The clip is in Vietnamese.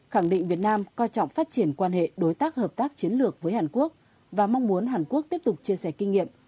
khẳng định việt nam coi trọng phát triển quan hệ đối tác hợp tác chiến lược với hàn quốc và mong muốn hàn quốc tiếp tục chia sẻ kinh nghiệm